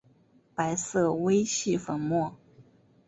白色微细粉末。